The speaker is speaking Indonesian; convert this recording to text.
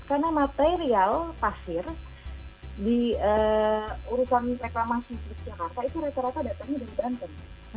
karena material pasir di urusan reklamasi seluruh jakarta itu rata rata datang dari banten